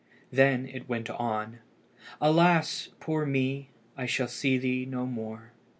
Then it went on "Alas! poor me! I shall see thee no more."